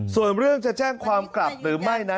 ส่วนเรื่องจะแจ้งความกลับหรือไม่นั้น